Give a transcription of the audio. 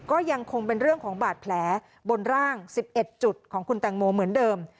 ก็ยังคงเป็นเรื่องของบาดแผลบนร่าง๑๑จุดของคุณแตงโมเหมือนเดิม